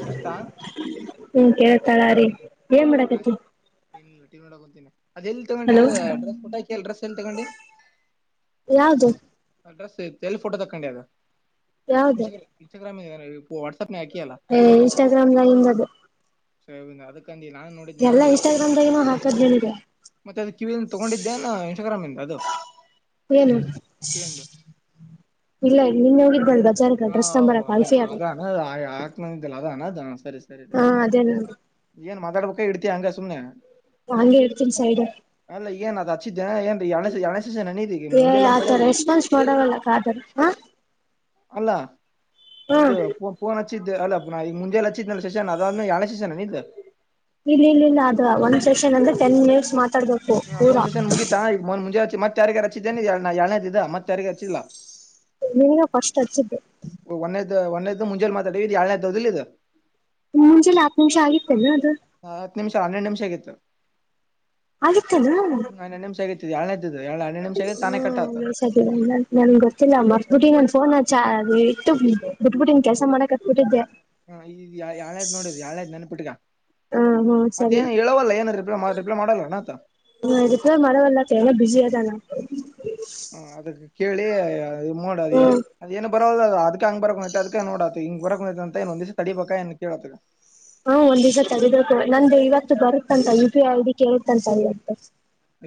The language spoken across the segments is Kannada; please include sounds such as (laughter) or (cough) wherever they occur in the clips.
ಹತಾ ಹ್ಮ ಕೇಳ್ತಾಳ ರೀ ಏನ್ ಮಾಡಾಕತಿ ೋಡ ಅದೆಲ್ಲಿ ತಗೊಂಡಿ ಅದು ಡ್ರೆಸ್ ುಟಾಕಿ ಡ್ರೆಸ್ ಎಲ್ಲಿ ತಗೊಂಡಿ ಯಾವದು ಅಡ್ರೆಸ್ ತೆಲ್ಲಿ ಫೋಟೋ ತಗೊಂಡಿ ಅದ ಇ ಯಾವ್ದು ಇನ್ಸ್ಟಾಗ್ರಾಮ ಇ ಇದವು ವಾಟ್ಸ್ ಏ ಇನ್ಸ್ಟಾಗ್ರಾಮ್ ಲೈನ್ ಅದು ಸ ಅದುಕ್ಕೆ ಎಲ್ಲಾ ಇನ್ಸ್ಟಾಗ್ರಾಮ್್ದಾಗನೂ ಹಾಕದ್ಲೇನಿದೆ ಮತ್ತೆ ಅದು ಕಿವಿಯಿಂದ ತೊಗೊಂಡಿದ್ದ್ಯಾಾನ ಇನ್ಸ್ಟಾಗ್ರಾಮ್ ಇಂದ ಅದು ಏನು ಕಿವಿಯಿಂದ ಇಲ್ಲ ನೀನ್ ಹೋಗಿದ್ದಲ್ದ ಹ ಅದ ಅದಾನ ಯ ಅದ ಅದ ಸರಿ ಸರಿ ಹಾ ಅದೇ ನೋಡು ಏನ್ ಮಾತಾಡ್ಬೇಕ ಇಡ್ತ ಹಂಗ ಸುಮನೆ ಹಾಂಗೆ ಇರ್ತೀನಿ ಸೈಡ್ ಏನ್ ಅದ್ ಹಚ್ಚಿದ್ದೆ ಏನ್ ಎರಡನೇ ಎರಡನೇ ಸೆಷನ್ ಏನ್ ಇದೀಗ ಮುಂಜೆಲ್ ಒಂದ್ಸಲ ಆತರ ರೆಸ್ಪಾನ್ಸ್ ಮಾಡಾಗಲ್ಲಕ್ಕರ ಹಾ ಅಲ್ಲ ಇದು ಪ ಪೋನ್ಚ್ಚಿದ್ದೆ ಅಲ್ಲ ಈಗ ಮುಂದೆಲ್ಲಿದನ ಸೆಷನ್ ಅದ ಯಳೆ ಸೆಷನ್ ಅ ಇ ಇಲ್ಲ ಇ ಇಲ್ಲ ಅದು ಒಂದ್ ಸೆಷನ್ ಅಂದ್ರೆ ಟೆನ್ ಮಿನಿಟ್ಸ್ ಮಾತಾಡ್ಬೇಕು ಹ ಒಂದ ಪೂರಾ ಸೆಷನ್ ಮುಗಿತಾ ಈ ಮನ್ ಮುಂಜೆ ಮತ್ತೆ ಮಾರಿಗ ರಚ್ಚಿದ್ದೇನೆ ಎನದ ಇದ ಮತ್ತೆ ಯಾರಿಗ ರಚ್ಚಿಲ್ಲಾ ನಿನಗೂ ಕಷ್ಟ ಹಚ್ಚಿದ್ದೆ ಒಂದೇದ್ ಒಂದೇದ್ ಮುಂಜೆ ಮಾತಾಡೀವಿ ಎಏಳ್ನೇದ್ದದದು ಮುಂಜೆ ಲ ಆತ್ಮ ಶ ಆಹಿತ ನ ಅದು ಹ ಆಗತ್ತಲ್ಲ ಎರಡನೇದು ಇದು ಎರಡು ಹನ್ನೆರಡು ನಿಮಿಷ ಆಗಿತ್ತು ತಾನೇ ಕಟ್ ಆತು ಹಾ ನನ್ಗೆ ಗೊತ್ತಿಲ್ಲ ಮರ್ಬಿಟ್ಟಿ ನನ್ ಫೋನ್ ಆ ಚಾ ಇಟ್ಟು ಬಿ ಬಿಟ್ಬಿಟ್ಟನ್ ಕೆಲಸ ಮಾಡಾಕ್ ಹತ್ಬಿಟ್ಟಿದ್ದೆ ಹ ಈ ಯಾವಳಾಯ್ ನೋಡುದು ಯಳಾಯ್ ನೆನ್ಪಿಟ್ಟಗ ಹ್ಮ್ ಹ್ಮ್ ಸರಿ ಮತ್ತೇಏನ್ ಹೇಳವಲ್ಲ ಏನ ರಿಪ್ಲೈ ರಿಪ್ಲೈ ಮಾಡಲ್ಲಣ ಆಯತ ಹಾ ಇಕ್ಕೆ ಮರವಲ್ಲಲ್ಲ ಬಿಿಸಿಯಾದಾನಾ ಹ ಅದಕ್ಕೆ ಕೇಳಿ ನೋಡದ ಹ್ಮ್ ಅದನ ಬರೋದ ಅದಕ ಹಂಗ ಬರಕ್ತೆ ಅದಕ ನೋಡ ಹಿಂಗ ಬರಕ ಅಂತ ಏ ಒಂದ್ಸ ತಡಿಬೇಕಾ ನ್ ಕೇಳದ ಹಾ ಒಂದ್ಗ ತೆಗೆಬೇಕು ನಂದುು ಇವತ್ತು ಬರುತ್ತಂತ ಯು ಪಿ ಐ ಐಡಿ ಕೇೇಳತಂತ ಇವತ್ತು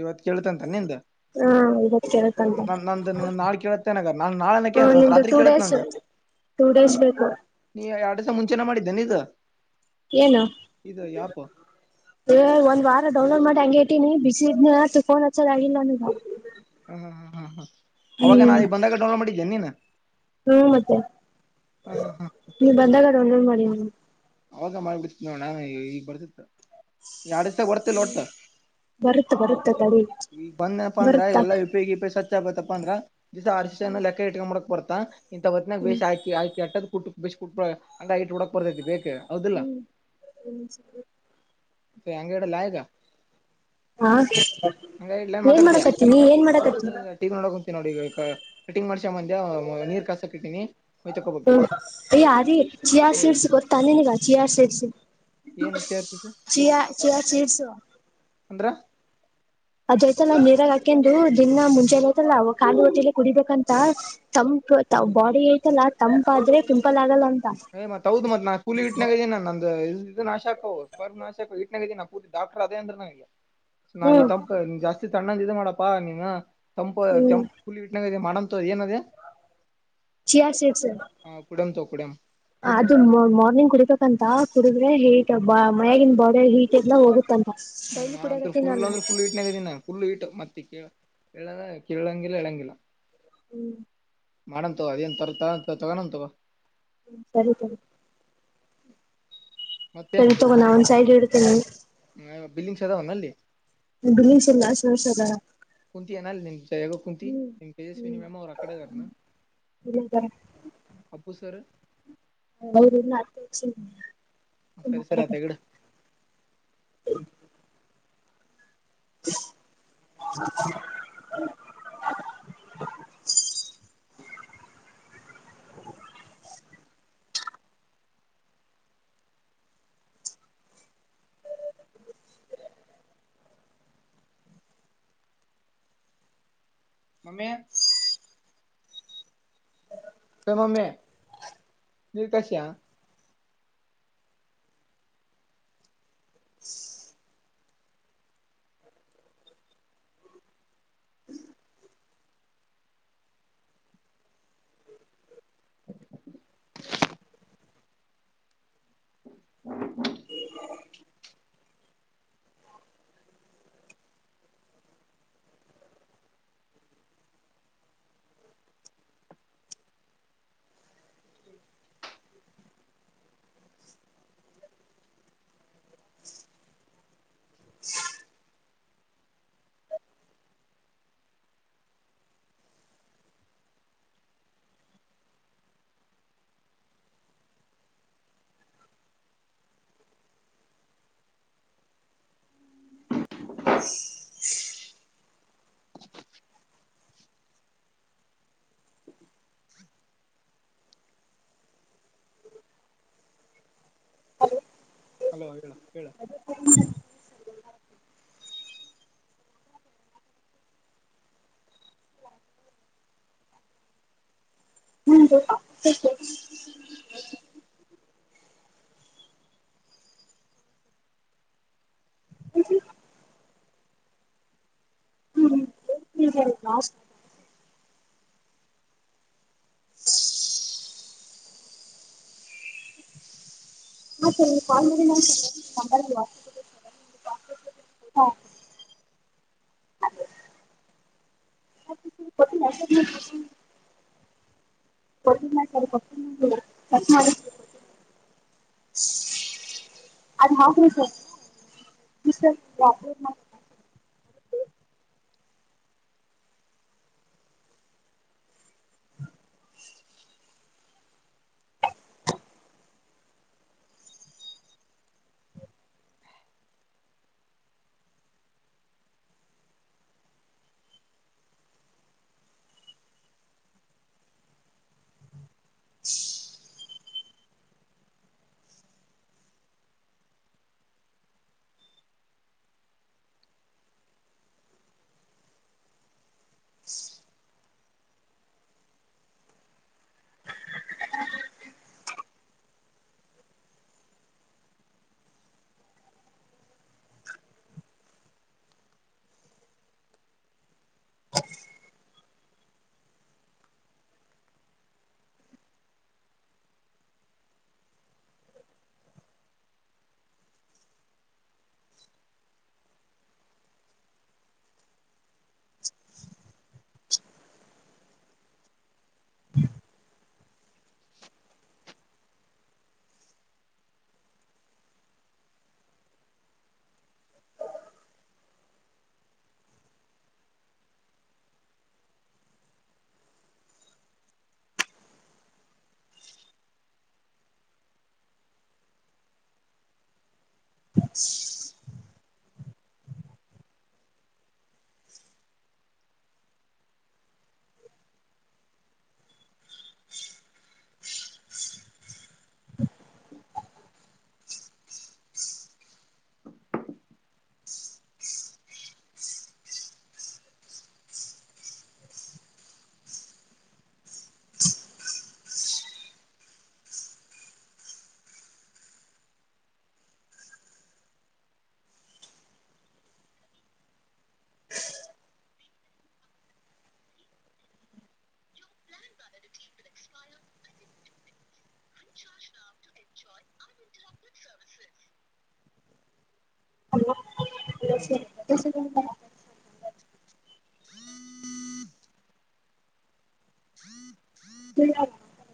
ಇವತ್ ಕೇಳಳ್ತ ಅಂತ ನಿ್ದ ಹಾ ಇವತ್ ನಿಂದ್ ಕೂಡ ಕೇಳುತ್ತಂತ ನ ನ ನ ನಾಳು ಕೇಳತ್ತೆ ನಗ ನಾನ್ ನಾಳೆ ಹ ಕೇಳೆ ಅವವ ನಿಮ್ದು ರಾತ್ರಿ ಟೂ ಕೇಳತ್ತೆ ಡೇಸ್ ನಂಗಗೆ ಟೂ ಡೇಸ್ ಬೇಕು ಮುಂಚೆನೆ ಮಾಡಿದ್ದೇನೆ ಈದು ಏನು ಒಂದ್ ವಾರ ಡೌನ್ಲೋಡ್ ಮಾಡಿ ಹಂಗಗೆ ಬಿಿಸಿ್ರ ಚು ಕೋನ ಆಲ್ಲಾನ ಹ್ಮ್ ಹ ಹ್ಮ್ ಹ್ಮ್ ಹ್ಮ್ ಅವಾಗ ನಾ ಈ ಬಂದಾಗಡೋಲ್ ಮಾಡಿದ್ದೇನೆ ನೀನ್ ಹ್ಮ ಮತ್ತೆ ಹ ಹ ಹ ನೀ ಬಂದಾಗಡ ಒೋ ಮಾಡಿ ಅವಾಗ ಮಾಡಿಬಿಡ್ತಿ ನೋ ನಾ ಈಗ ಬರ್ಸತ್ತ ಈ ಆಡಸ ಬರ್ತಲ್ಲ ಒಟ್ಟ ಬರುತ್ತ ಬರುತ್ತ ತಡಿ ಈ ಬಂದನಪ್ಪ ಅಂದ್ರ ಬರುತ್ತ ಎಲ್ಲಾ ಇಪಗ ಇಪ ಸ ಪ್ಪ ಅಂದ್ರ ದಿಸಸ ಆರ್ ಲೆಕ್ಕ ಇಟ್ಕೊಂಡ ಮಾಡಕ್ ಬರ್ತಾ ಇಂತಥ ಹೊತ್ತಿನಾಗ ಹ್ಮ್ ಬೇಕಿ ಹಕಿಟ್ಟಟ್ಟ ಬ ಕು ಹಂಗ ಇಟ್ ಹಡಕಕ್ ಬರ್ತಿ ಬೇ ಹ್ಮ್ ಹ್ಮ ಸ ಆಂಗಡ ಲಾಯಗ ಹಾ ಏನ್ ಮಾತಾಡ್ತಿಯಾ ಮಾಡಕತನಿ ಏನ್ ಮಾಡಕತ್ತನಿ ಏನಿಲ್ಲ ಟಿವಿ ನೋಡಕ್ ಕುಂತೀನಿ ನೋಡಿ ಈಗ ಕಟಿಂಗ್ ಮಾಡ್ಸ ಮಂದ ನೀರ್ ಕಸಕ್ ಇಟ್ಟೀಿನಿ ಹ್ಮ್ ಯ ಅದೀ ಚಿಯಾ ಹೇಳು ಸೀಡ್ಸ್ ಗೊತ್ತಾನೆ ಎ ಚಿಯ ಸರ್ ಏನ್ ತೇರ್ಸಿಸ ಚ ಚ ಚರ್ಸ ಅಂದ್ರ ಅದೈ್ತಲ್ಲ ನೀರಾಗ ಹಾಕಂದುು ದಿನ ಮುಂಚೆಐತಲ್ಲ ಕಾಲು ಹೊತ್ತಲಿ ಕುಡಿಬೇಕಂತ ತ ಬಾಡಿ ಐತಲ್ಲ ತಂಪ ಆದ್ರೆ ಪಿಂಪಲ್ ಆಗಲ್ಲ ಅ ಏ್ ಮತ್ ಹೌದು ಮತ್ ನಾ ಕೂಲಿ ಇಟ್ಟನಾಗ ಇದೇನ ನಂದು ಇದು ನಾಶಕ ಸ್ವರ್ ನಾಶಕ ಇಾಗ ನಾ ಪತಿ ಡಾಕ್ಟರ್ ಅದೇ ಅಂದ್ರ ನ ಹ್ಮ್ ಜಾಸ್ತಿ ತಣ್ಣಂದ ಇ ಮಾಡಪ್ಪಾ ನೀನು ಹ್ಮ್ ತಂಪಂ ಪುಲಿ ಬಿಟ್ಟಾಗ ಮಾಡಂತ ಏನ ಚಿಯಾ ಸೀಡ್ಸ್ ಹ ಕುಡಂ ತ ಕುಡಂ ಅದು ಮಾರ್ನಿಂಗ್ ಕುಡಬೇಕಂತ ಕುಡಿದ್ರೆ ಹೀಟ್ ಮಯಗನ್ ಬಾಡಿ ಹೀಟ್ ಎಲ್ಲ ಹೋಗುತ್ತಂತ ಡೈಲಿ ಹ್ಮ್ಂತ ಕುಡಿಯಕತ್ತೀನಿ ರುಲ್ ನಾನು ಅ್ರ ಫುಲ್ ಈಟ್ನಾಗ ಇದಿನ ಫುಲ್ ಈ ಮತ್ತೆ ಹೇಳದ ಕೇಳೊಂಗಿಲ್ಲ ಹೇಳಳಂಗಿಲ್ಲ ಹ್ಮ್ ಮಾಡಂತವ ಅದೇನ್ ತ ತಗ ತಗೋಂತವ ಹ್ಮ ಸರಿ ಸರಿ ಮತ್ತೆ ಸರಿ ತಗೋಣ ಒಂದ್ ಸೈಡ್ ಇಡ್ತೇನೆ ಬಿಲ್ಲಿಂಗ್ದಾವ್ ಅಲ್ಲಿ ಅ್ದ ಕುಂತ ಅನಲ್ಲ ನಿಮ್ಮ ಜಗ ಕುಂತ ಹ್ಮ್ ನಿಮ್ಮ ಪೇಜಸ್ವಿಿನಿ ಮ್ಯಾಮ್ ಅವರು ಅಕಡೆಗನಾ ಹ ಉಸರು ಹ ಅತ್ತ ಸರಿ ಸರಿ ಅತಗಡೆ ಹ ಹ (inaudible) ಮಮ್ಮಿ ಏ ಮಮ್ಮಿ ನೀರ್ ಕಾಶೀಯಾ ಹಲೋ ಹೇಳ (unintelligible) (unintelligible) (unintelligible) (unintelligible) (unintelligible) (unintelligible) (unintelligible) (unintelligible) (inaudible) yes (unintelligible) (unintelligible) (unintelligible) (unintelligible) (unintelligible)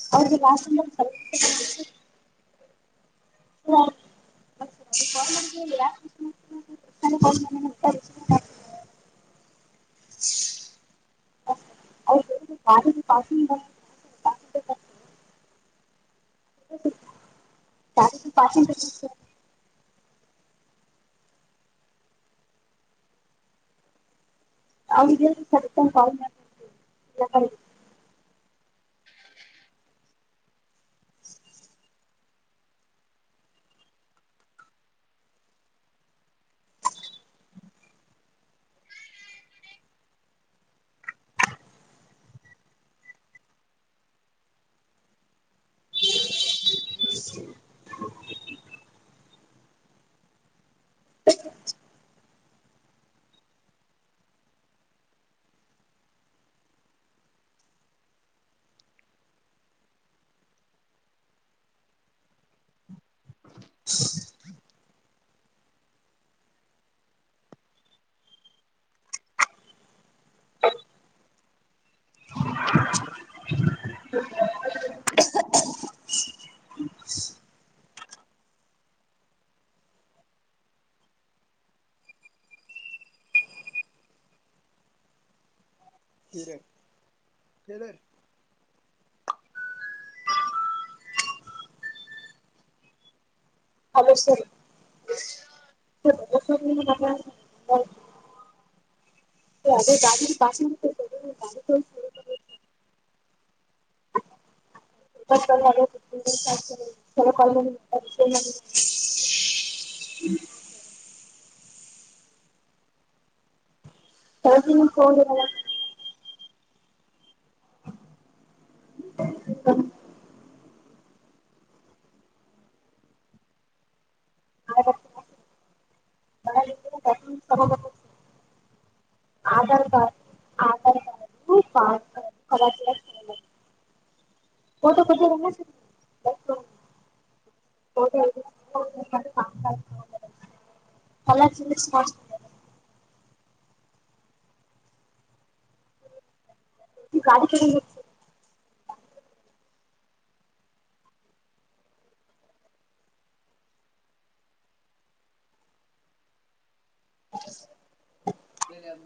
(unintelligible) (unintelligible) (unintelligible) (unintelligible) (unintelligible) (unintelligible) (inaudible) (unintelligible) (unintelligible) hello sir (unintelligible) (unintelligible) (inaudible) (unintelligible) (unintelligible) (unintelligible) (inaudible) (inaudible) (unintelligible) Aadhaar card Aadhaar card (unintelligible) (unintelligible) (unintelligible) (unintelligible) ಗಾಡಿ ತಗೊಂಡ್ ಹೋದ್ ಸರ್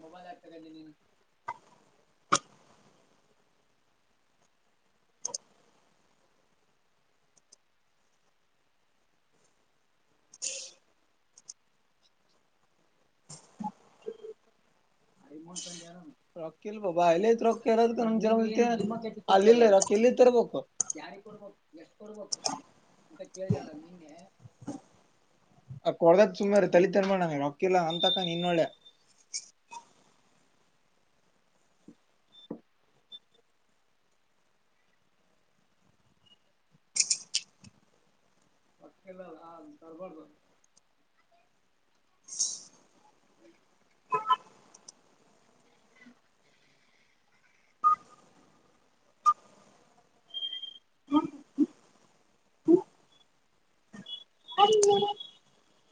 ಮೊಬೈಲ್ ಯಾಕ್ ತಗೊಂಡಿ ನೀನು (unintelligible) ತರ್ಬೇಕು ಯಾರ ಕೊಡ್ಬೇಕು ಎಷ್ಟ ಕೊಡ್ಬೇಕು ಅಂತ ಕೇಳಿದಳ ನಿನ್ನೆ ಆ ಕೊಡದದ ಸುಮಾರ ತಲಿ ತಿನ್ ಬ್ಯಾಡಣ ರೊಕ್ಕಿಲ್ಲ ಅಂತಕ ನೀನ್ನೋಳೆ (inaudible) (unintelligible) (unintelligible) (inaudible)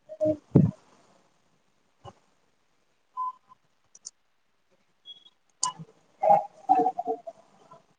ಹ (inaudible)